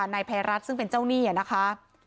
นายภัยรัฐซึ่งเป็นเจ้าหนี้นะคะ